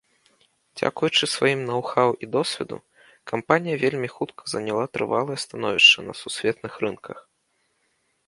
Дзякуючы сваім ноў-хаў і досведу, кампанія вельмі хутка заняла трывалае становішча на сусветных рынках.